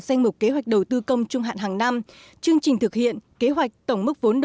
danh mục kế hoạch đầu tư công trung hạn hàng năm chương trình thực hiện kế hoạch tổng mức vốn